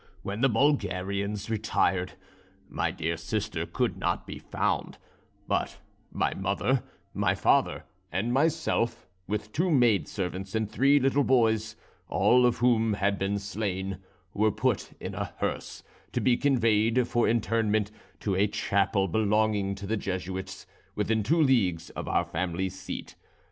When the Bulgarians retired, my dear sister could not be found; but my mother, my father, and myself, with two maid servants and three little boys all of whom had been slain, were put in a hearse, to be conveyed for interment to a chapel belonging to the Jesuits, within two leagues of our family seat.